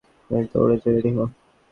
Michael, দৌড় দিতে ready হ।